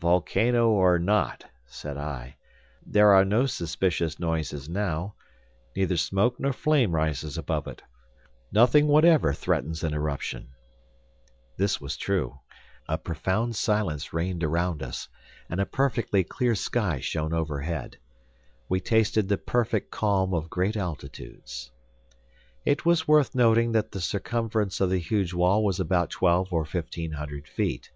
"Volcano, or not," said I, "there are no suspicious noises now; neither smoke nor flame rises above it; nothing whatever threatens an eruption." This was true. A profound silence reigned around us; and a perfectly clear sky shone overhead. We tasted the perfect calm of great altitudes. It was worth noting that the circumference of the huge wall was about twelve or fifteen hundred feet.